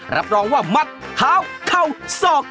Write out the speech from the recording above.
รับรองว่ามัดขาวเข้าซอก